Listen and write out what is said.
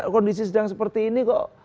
kondisi sedang seperti ini kok